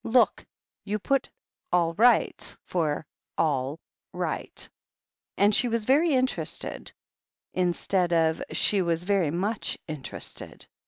Look ! you put 'alright' for 'all right' and 'She was very interested' instead of 'she was very much interested.'